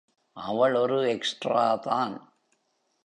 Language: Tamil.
அவள் ஒரு எக்ஸ்ட்ராதான்?.